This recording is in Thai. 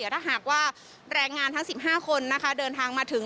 ถ้าหากว่าแรงงานทั้ง๑๕คนเดินทางมาถึง